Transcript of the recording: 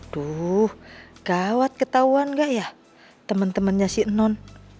duh gawat ketauan gak ya temen temennya si non